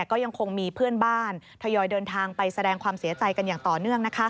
ก็ยังคงมีเพื่อนบ้านทยอยเดินทางไปแสดงความเสียใจกันอย่างต่อเนื่อง